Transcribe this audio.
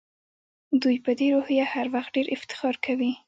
دوی په دې روحیه هر وخت ډېر افتخار کوي.